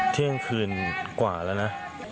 เที่ยงคืนกว่าแล้วนะ